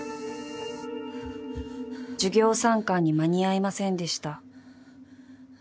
［授業参観に間に合いませんでした］